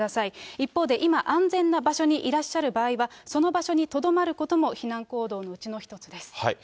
一方で、今、安全な場所にいらっしゃる場合は、その場所にとどまることも避難行動のうちの一つです。